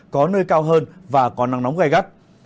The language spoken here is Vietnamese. có nơi cao hơn và có nắng nóng gai gắt